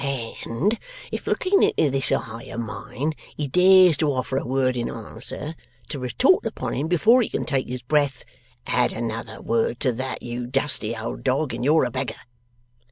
And, if looking into this eye of mine, he dares to offer a word in answer, to retort upon him before he can take his breath, "Add another word to that, you dusty old dog, and you're a beggar."